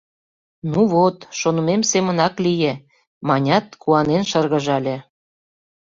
— Ну, вот, шонымем семынак лие, — манят, куанен шыргыжале.